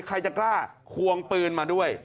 ใครจะกล้าควงปืนมาด้วย